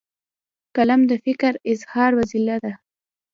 قلم د فکر اظهار وسیله ده.